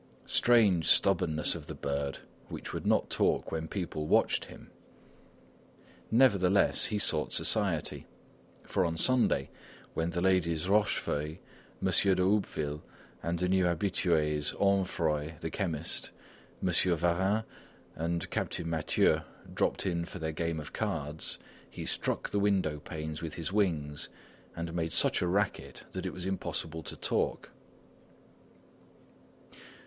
Strange stubbornness of the bird which would not talk when people watched him! Nevertheless, he sought society; for on Sunday, when the ladies Rochefeuille, Monsieur de Houppeville and the new habitués, Onfroy, the chemist, Monsieur Varin and Captain Mathieu, dropped in for their game of cards, he struck the window panes with his wings and made such a racket that it was impossible to talk.